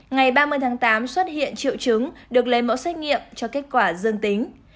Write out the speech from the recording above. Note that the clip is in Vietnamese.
ngày ba mươi tháng tám xuất hiện triệu chứng được lấy mẫu xét nghiệm cho kết quả dương tính